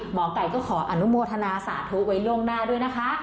หมอไก่ก็ขออนุโมทนาสาธุไว้ล่วงหน้าด้วยนะคะ